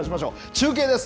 中継です。